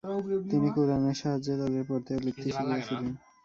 তিনি কুরআনের সাহায্যে তাদের পড়তে ও লিখতে শিখিয়েছিলেন।